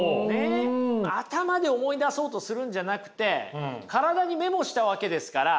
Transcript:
頭で思い出そうとするんじゃなくて体にメモしたわけですから。